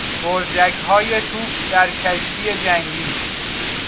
برجکهای توپ در کشتی جنگی